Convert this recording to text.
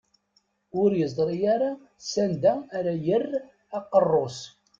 Ur yeẓri ara s anda ara yerr aqerru-s.